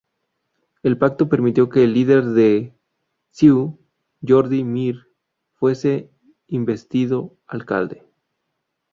El pacto, permitió que el líder de CiU, Jordi Mir, fuese investido alcalde.